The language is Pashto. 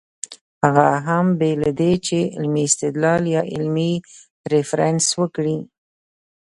هغه هم بې له دې چې علمي استدلال يا علمي ريفرنس ورکړي